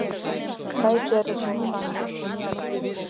Кай, терыс лопшаҥге!..